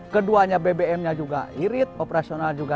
keduanya bbm nya juga irit operasional juga